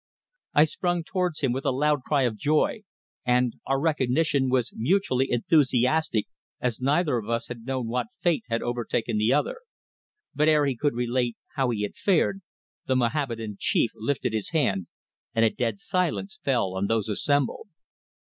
I sprang towards him with a loud cry of joy, and our recognition was mutually enthusiastic, as neither of us had known what fate had overtaken the other; but ere he could relate how he had fared, the Mohammedan chief lifted his hand, and a dead silence fell on those assembled.